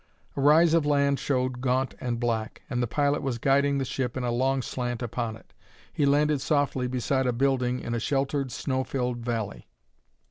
A rise of land showed gaunt and black, and the pilot was guiding the ship in a long slant upon it. He landed softly beside a building in a sheltered, snow filled valley.